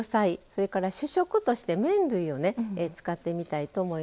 それから主食として麺類をね使ってみたいと思います。